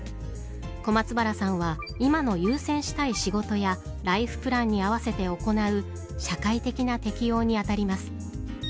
小松原さんは今の優先したい仕事やライフプランに合わせて行う社会的な適応に当たります。